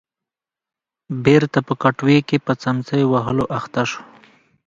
بېرته په کټوې کې په څمڅۍ وهلو اخته شو.